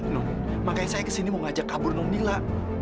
non makanya saya kesini mau ngajak kabur nonnila